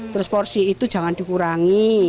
terus porsi itu jangan dikurangi